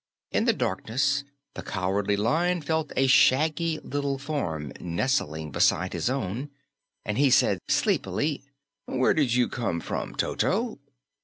In the darkness, the Cowardly Lion felt a shaggy little form nestling beside his own, and he said sleepily, "Where did you come from, Toto?"